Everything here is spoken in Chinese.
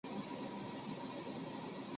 莫尔莱人口变化图示